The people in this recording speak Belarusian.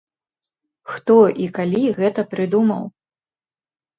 Хто і калі гэта прыдумаў?